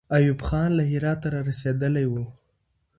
ایوب خان له هراته را رسېدلی وو.